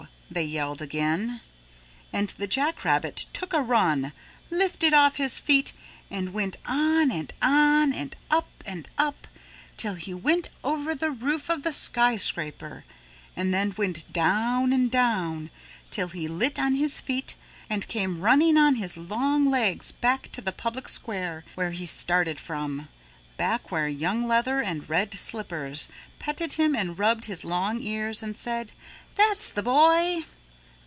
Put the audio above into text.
they yelled again. And the jack rabbit took a run, lifted off his feet and went on and on and up and up till he went over the roof of the skyscraper and then went down and down till he lit on his feet and came running on his long legs back to the public square where he started from, back where Young Leather and Red Slippers petted him and rubbed his long ears and said, "That's the boy."